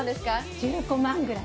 １５万ぐらい。